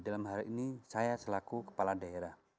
dalam hal ini saya selaku kepala daerah